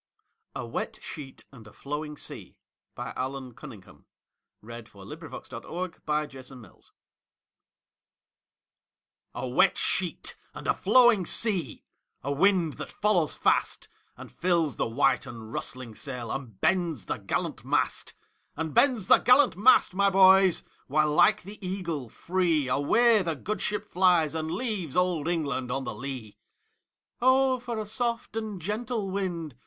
olden Treasury. 1875. Allan Cunningham CCV. "A wet sheet and a flowing sea" A WET sheet and a flowing sea,A wind that follows fastAnd fills the white and rustling sailAnd bends the gallant mast; And bends the gallant mast, my boys, While like the eagle freeAway the good ship flies, and leavesOld England on the lee."O for a soft and gentle wind!"